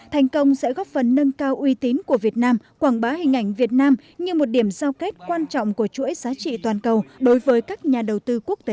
thành công sẽ góp phần nâng cao uy tín của việt nam quảng bá hình ảnh việt nam như một điểm giao kết quan trọng của chuỗi giá trị toàn cầu đối với các nhà đầu tư quốc tế